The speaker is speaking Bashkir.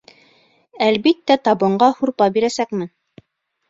Әлбиттә, табынға һурпа бирәсәкмен.